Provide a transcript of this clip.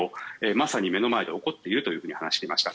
まさに目の前で起こっていると話していました。